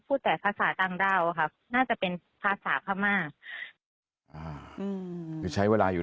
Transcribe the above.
พูดแต่ภาษาต่างด้าวอะค่ะน่าจะเป็นภาษาพม่าอืมคือใช้เวลาอยู่